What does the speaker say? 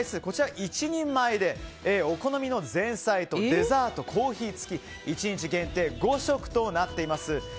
こちらは１人前でお好みの前菜とデザートコーヒー付き１日限定５食となっています。